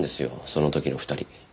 その時の２人。